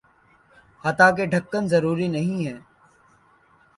حتٰیکہ ڈھکن ضروری نہیں ہیں